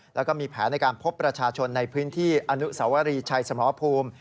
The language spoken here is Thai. แล้วก็มีแผนในการพบประชาชนในพื้นที่อนุสวรีชัยสมภูมิ